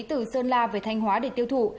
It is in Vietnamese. từ sơn la về thanh hóa để tiêu thụ